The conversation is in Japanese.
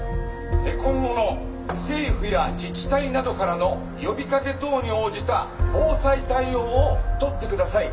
今後の政府や自治体などからの呼びかけ等に応じた防災対応を取ってください」。